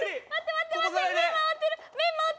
待って待って。